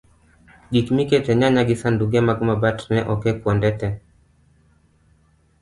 gik mikete nyanya gi sanduge mag mabat ne oke kwonde te